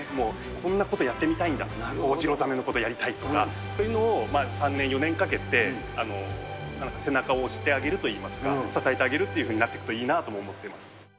こんなことをやってみたいんだ、ホホジロザメのことやりたいとか、そういうのも３年、４年かけて、背中を押してあげるといいますか、支えてあげるっていうふうになっていくといいなって思ってます。